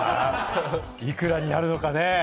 いくらになるのかね？